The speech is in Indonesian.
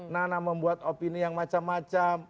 nana membuat opini yang macam macam